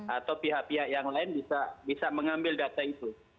atau pihak pihak yang lain bisa mengambil data itu